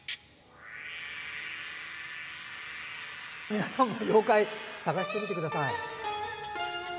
皆さんも妖怪探してみてください。